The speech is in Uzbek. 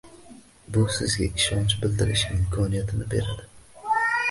Bu sizga ishonch bildirish imkoniyatini beradi